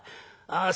ああ